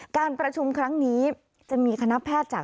การประชุมครั้งนี้จะมีคณะแพทย์จาก